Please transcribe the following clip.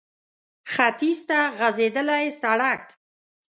ختيځ ته غځېدلی سړک